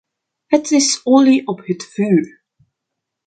Het is olie op het vuur.